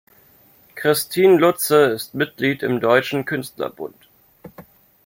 Christin Lutze ist Mitglied im Deutschen Künstlerbund.